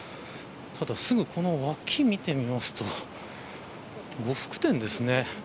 ただ、すぐこの脇を見てみますと呉服店ですね。